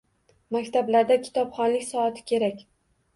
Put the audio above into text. Maktablarda kitobxonlik soati kerak.